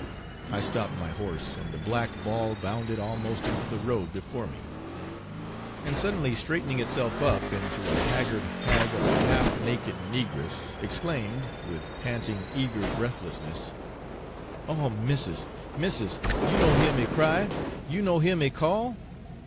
I stopped my horse, and the black ball bounded almost into the road before me, and suddenly straightening itself up into a haggard hag of a half naked negress, exclaimed, with panting eager breathlessness, 'Oh missis, missis! you no hear me cry, you no hear me call.